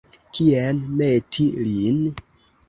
Kien meti lin?